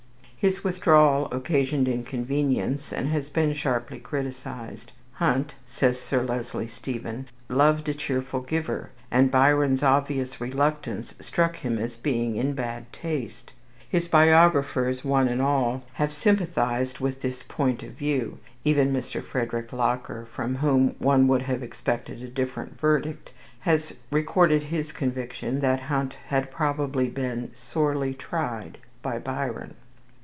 His withdrawal occasioned inconvenience, and has been sharply criticised. Hunt, says Sir Leslie Stephen, loved a cheerful giver, and Byron's obvious reluctance struck him as being in bad taste. His biographers, one and all, have sympathized with this point of view. Even Mr. Frederick Locker, from whom one would have expected a different verdict, has recorded his conviction that Hunt had probably been "sorely tried" by Byron.